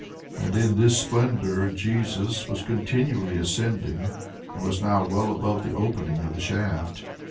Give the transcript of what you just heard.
And in this splendour, Jesus was continually ascending, and was now well above the opening of the shaft.